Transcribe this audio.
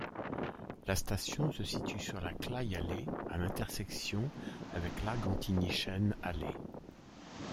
La station se situe sur la Clayallee à l'intersection avec l'Argentinischen Allee.